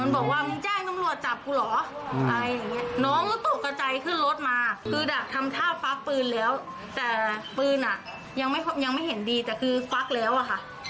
แต่ปืนอ่ะยังไม่เห็นดีแต่คือปลั๊กแล้วอ่ะค่ะ